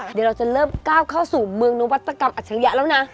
เดี๋ยวเราจะเริ่มก้าวเข้าสู่เมืองนวัตกรรมอัจฉริยะแล้วนะ